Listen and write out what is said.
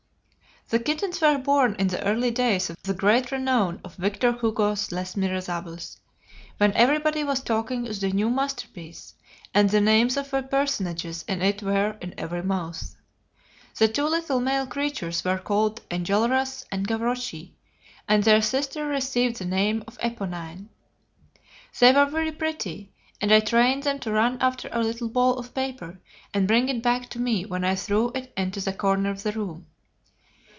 The kittens were born in the early days of the great renown of Victor Hugo's 'Les Miserables,' when everybody was talking of the new masterpiece, and the names of the personages in it were in every mouth. The two little male creatures were called Enjolras and Gavroche, and their sister received the name of Eponine. They were very pretty, and I trained them to run after a little ball of paper and bring it back to me when I threw it into the corner of the room.